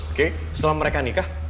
oke setelah mereka nikah